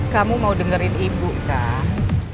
kamu mau dengerin ibu kah